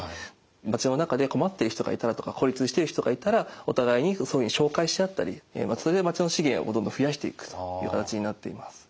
町の中で困っている人がいたらとか孤立してる人がいたらお互いにそういうふうに紹介し合ったりそれで町の資源をどんどん増やしていくという形になっています。